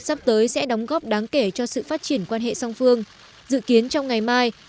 sắp tới sẽ đóng góp đáng kể cho sự phát triển quan hệ song phương dự kiến trong ngày mai